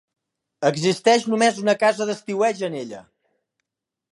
Existeix només una casa d'estiueig en ella.